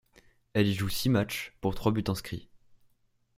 Elle y joue six matchs pour trois buts inscrits.